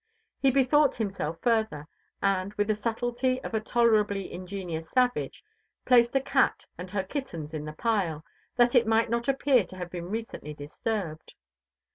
He bethought himself further, and, with the subtlety of a tolerably ingenious savage, placed a cat and her kittens on the pile, that it might not appear to have been recently disturbed.